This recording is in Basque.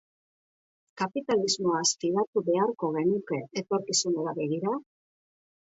Kapitalismoaz fidatu beharko genuke etorkizunera begira?